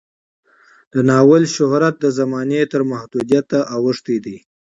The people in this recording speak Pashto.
د ناول شهرت د زمانې تر محدودیت اوښتی دی.